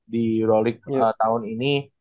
di euro league tahun ini